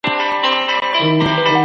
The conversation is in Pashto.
د پوهي لاره له مادي شتمنۍ ډېره مهمه ده.